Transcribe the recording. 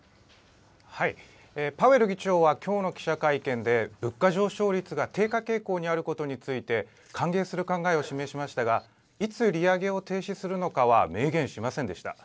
パウエル議長はきょうの記者会見で、物価上昇率が低下傾向にあることについて、歓迎する考えを示しましたが、いつ利上げを停止するのかは明言しませんでした。